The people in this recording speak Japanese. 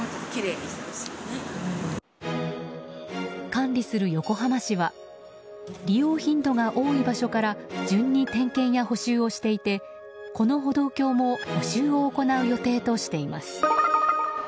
管理する横浜市は利用頻度が多い場所から順に点検や補修をしていてこの歩道橋も補修を行う予定としています。